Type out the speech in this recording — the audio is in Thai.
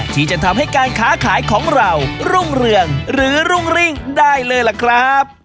ที่จะทำให้การค้าขายของเรารุ่งเรืองหรือรุ่งริ่งได้เลยล่ะครับ